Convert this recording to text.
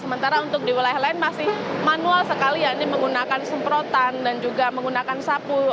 sementara untuk di wilayah lain masih manual sekali ya ini menggunakan semprotan dan juga menggunakan sapu